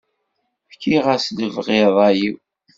Fkiɣ-as lebɣi i ṛṛay-iw.